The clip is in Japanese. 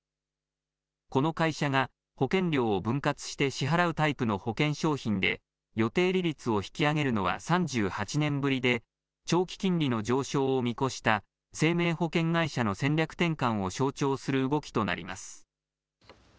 この会社が保険料を分割して支払うタイプの保険商品で予定利率を引き上げるのは３８年ぶりで長期金利の上昇を見越した生命保険会社の戦略転換を象徴する動きとなります。